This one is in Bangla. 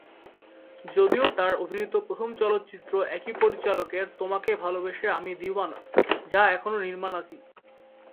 যদিও তার অভিনীত প্রথম চলচ্চিত্র একই পরিচালকের "তোমাকে ভালোবেসে আমি দিওয়ানা", যা এখনো নির্মাণাধীন।